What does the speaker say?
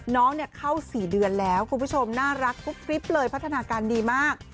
น้องเข้า๔เดือนแล้วคุณผู้ชมน่ารักฟุ๊บฟริบเลยพัฒนาการดีมาก